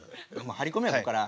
張り込みやこっから。